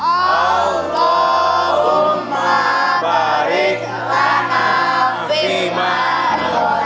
allahumma barik lana fi man uraq